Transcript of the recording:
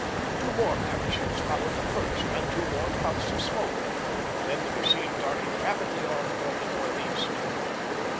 Two more parachutes followed the first and two more puffs of smoke. Then the machine darted rapidly off toward the northeast.